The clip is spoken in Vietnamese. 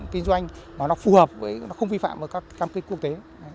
kinh doanh mà nó phù hợp với nó không vi phạm với các cam kết quốc tế